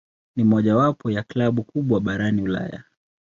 Ni mojawapo ya klabu kubwa barani Ulaya.